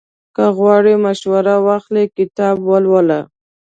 که غواړې مشوره واخلې، کتاب ولوله.